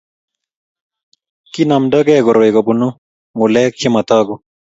Kinomtokei koroi kobun ngulek che motoku